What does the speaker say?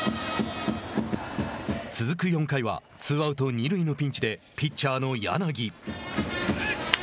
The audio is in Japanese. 続く４回はツーアウト、二塁のピンチでピッチャーの柳。